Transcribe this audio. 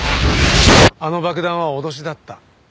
あの爆弾は脅しだった。